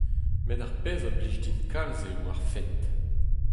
Met ar pezh a blij din kalz eo ar fent.